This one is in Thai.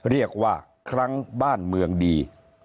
เรียกว่าครั้งบ้านเมืองดี